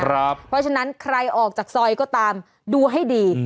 เพราะฉะนั้นใครออกจากซอยก็ตามดูให้ดี